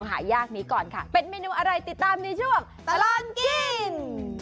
หายากนี้ก่อนค่ะเป็นเมนูอะไรติดตามในช่วงตลอดกิน